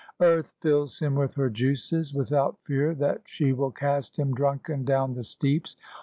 Earth fills him with her juices, without fear That she will cast him drunken down the steeps.